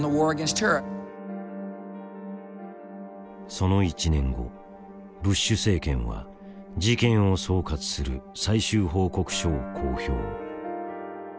その１年後ブッシュ政権は事件を総括する最終報告書を公表。